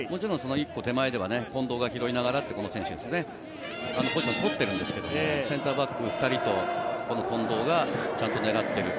一歩手前では近藤が拾いながら、ポジションをとっているんですけど、センターバック２人と近藤がちゃんと狙っている。